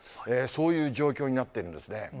そういう状況になっているんですね。